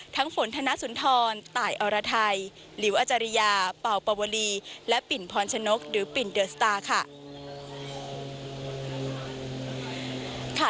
ฝนธนสุนทรตายอรไทยหลิวอาจารยาเป่าปวลีและปิ่นพรชนกหรือปิ่นเดอะสตาร์ค่ะ